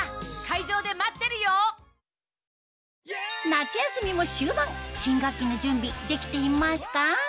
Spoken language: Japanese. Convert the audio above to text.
夏休みも終盤新学期の準備できていますか？